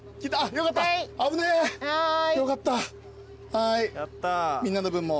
はいみんなの分も。